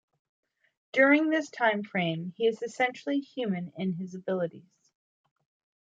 During this time frame, he is essentially human in his abilities.